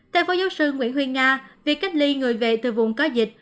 theo phó giáo sư nguyễn huy nga việc cách ly người về từ vùng có dịch